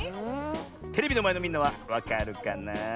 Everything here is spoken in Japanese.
テレビのまえのみんなはわかるかなあ？